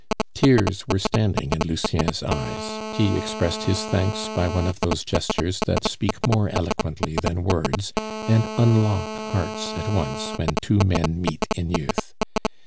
Tears were standing in Lucien's eyes; he expressed his thanks by one of those gestures that speak more eloquently than words, and unlock hearts at once when two men meet in youth.